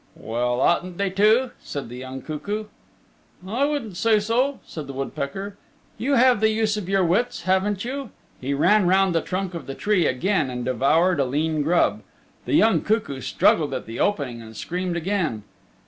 "Well, oughtn't they to?" said the young cuckoo. "I wouldn't say so," said the woodpecker, "you have the use of your wits, haven't you?" He ran round the trunk of the tree again and devoured a lean grub. The young cuckoo struggled at the opening and screamed again.